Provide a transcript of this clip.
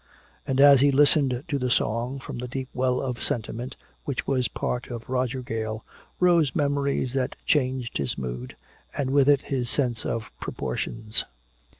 And as he listened to the song, from the deep well of sentiment which was a part of Roger Gale rose memories that changed his mood, and with it his sense of proportions.